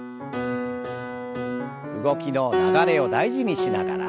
動きの流れを大事にしながら。